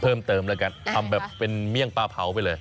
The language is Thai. เพิ่มเติมแล้วกันทำแบบเป็นเมี่ยงปลาเผาไปเลย